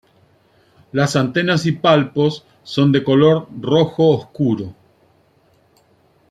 Las antenas y palpos son de color rojo oscuro.